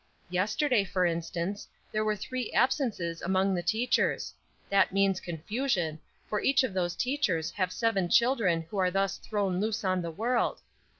Yesterday, for instance, there were three absences among the teachers; that means confusion, for each of those teachers have seven children who are thus thrown loose on the world.